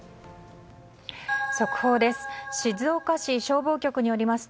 速報です。